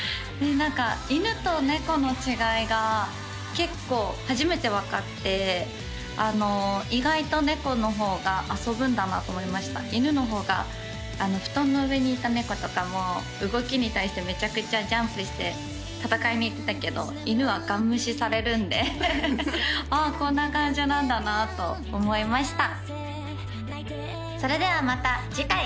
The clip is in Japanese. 何か犬と猫の違いが結構初めて分かって意外と猫の方が遊ぶんだなと思いました犬の方が布団の上にいた猫とかも動きに対してめちゃくちゃジャンプして戦いに行ってたけど犬はガン無視されるんでおおこんな感じなんだなと思いました